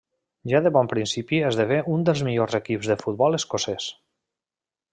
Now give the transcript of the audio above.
Ja de bon principi esdevé un dels millors equips del futbol escocès.